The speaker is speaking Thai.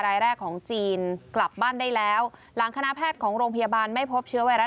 รายแรกของจีนกลับบ้านได้แล้วหลังคณะแพทย์ของโรงพยาบาลไม่พบเชื้อไวรัส